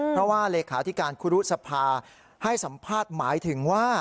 เพราะว่าเลขาธิการครุสภาให้สัมภาษณ์หมายถึงว่า